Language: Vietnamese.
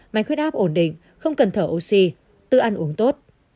máy khuyết áp ổn định không cần thở oxy tự ăn uống tốt